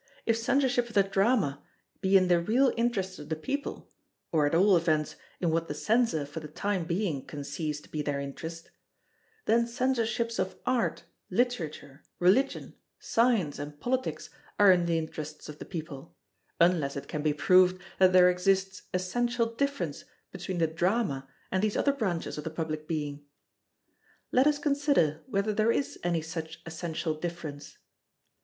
If Censorship of the Drama be in the real interests of the people, or at all events in what the Censor for the time being conceives to be their interest—then Censorships of Art, Literature, Religion, Science, and Politics are in the interests of the people, unless it can be proved that there exists essential difference between the Drama and these other branches of the public being. Let us consider whether there is any such essential difference.